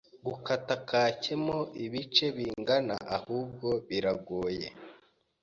Gukata cake mo ibice bingana ahubwo biragoye